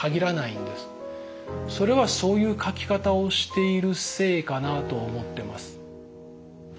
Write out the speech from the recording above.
それはそういう書き方をしているせいかなと思ってます。